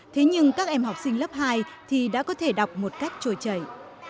thế nhưng các em học sinh lớp hai thì đã có thể đọc một cách trôi chảy